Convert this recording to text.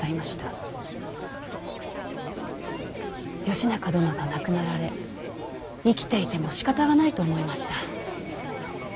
義仲殿が亡くなられ生きていてもしかたがないと思いました。